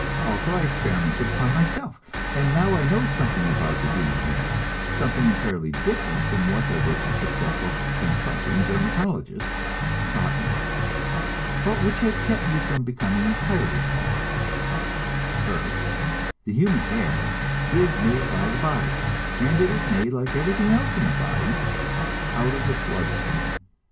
Also, I experimented upon myself, and now I know something about the human hair, something entirely different from what the rich and successful "consulting dermatologist" taught me, but which has kept me from becoming entirely bald: First, the human hair is made by the body, and it is made, like everything else in the body, out of the blood stream.